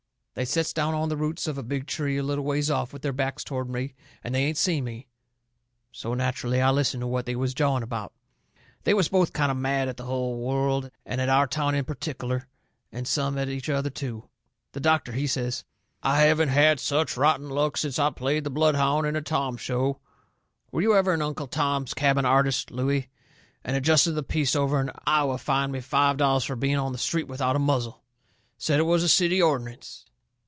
They sets down on the roots of a big tree a little ways off, with their backs toward me, and they ain't seen me. So nacherally I listened to what they was jawing about. They was both kind o' mad at the hull world, and at our town in pertic'ler, and some at each other, too. The doctor, he says: "I haven't had such rotten luck since I played the bloodhound in a Tom Show Were you ever an 'Uncle Tom's Cabin' artist, Looey? and a justice of the peace over in Iowa fined me five dollars for being on the street without a muzzle. Said it was a city ordinance.